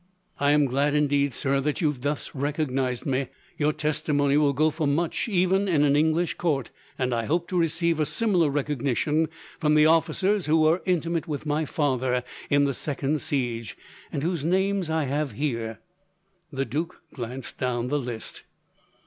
"I am glad, indeed, sir, that you have thus recognized me. Your testimony will go for much, even in an English court, and I hope to receive a similar recognition from the officers who were intimate with my father in the second siege, and whose names I have here." The duke glanced down the list.